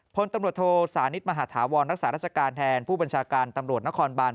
พลตำรวจโทสานิทมหาฐาวรรักษาราชการแทนผู้บัญชาการตำรวจนครบาน